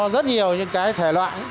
rất nhiều những cái thể loại